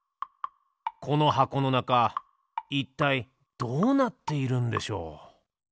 この箱のなかいったいどうなっているんでしょう？